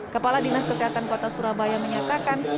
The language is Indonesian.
kepala dinas kesehatan kota surabaya menyatakan